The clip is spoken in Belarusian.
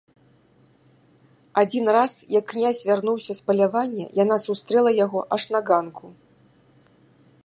Адзін раз, як князь вярнуўся з палявання, яна сустрэла яго аж на ганку.